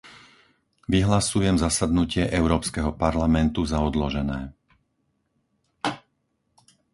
Vyhlasujem zasadnutie Európskeho parlamentu za odložené.